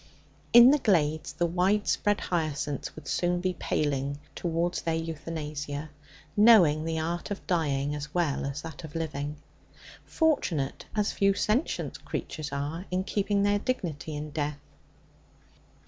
In the glades the wide spread hyacinths would soon be paling towards their euthanasia, knowing the art of dying as well as that of living, fortunate, as few sentient creatures are, in keeping their dignity in death.